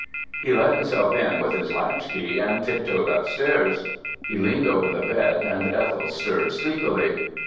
He let himself in with his latch key and tiptoed upstairs. He leaned over the bed and Ethel stirred sleepily.